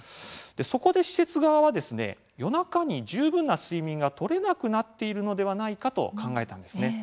そこで施設側は夜中に十分な睡眠が取れなくなっているのではないかと考えたんですね。